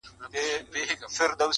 ستا د خالپوڅو د شوخیو وطن.!